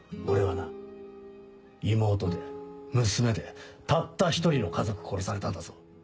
俺はな妹で娘でたった１人の家族殺されたんだぞ。